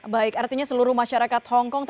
baik artinya seluruh masyarakat hongkong